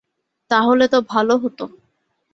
তাহলে তো ভালো হতো।